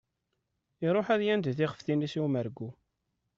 Iruḥ ad yandi tixeftin-is i umergu.